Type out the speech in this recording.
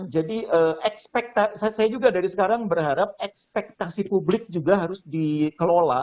jadi saya juga dari sekarang berharap ekspektasi publik juga harus dikelola